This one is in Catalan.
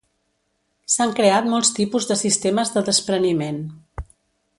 S'han creat molts tipus de sistemes de despreniment.